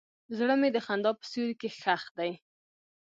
زړه مې د خندا په سیوري کې ښخ دی.